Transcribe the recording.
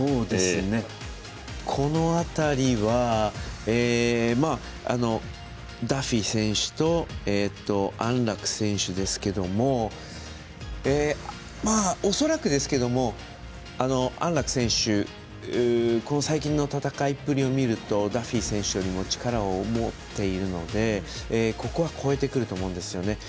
この辺りはダフィー選手と安楽選手ですけれども恐らくですけども、安楽選手ここ最近の戦いっぷりを見るとダフィー選手よりも力が出ているのでここは、超えてくると思うんですよね。